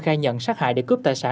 khai nhận sát hại để cướp tài xã